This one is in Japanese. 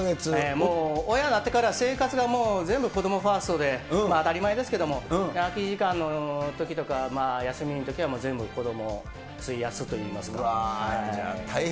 もう、親になってから、生活が全部子どもファーストで、当たり前ですけども、空き時間のときとか休みのときは、もう全部、子どもに費やすといい大変。